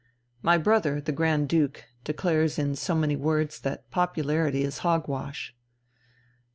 My brother, the Grand Duke, declares in so many words that popularity is hog wash."